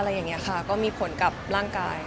อะไรอย่างนี้ค่ะก็มีผลกับร่างกาย